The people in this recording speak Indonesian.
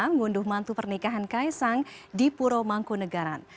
mengunduh mantu pernikahan kaisang di puro mangkunagaran